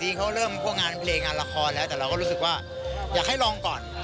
เขาเริ่มพวกงานเพลงงานละครแล้วแต่เราก็รู้สึกว่าอยากให้ลองก่อน